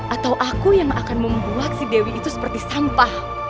atau aku yang akan membuat si dewi itu seperti sampah